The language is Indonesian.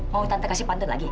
mau tante kasih panten lagi